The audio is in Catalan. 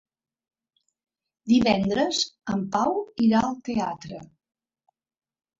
Divendres en Pau irà al teatre.